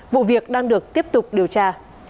vụ việc đang được tiếp tục điều tra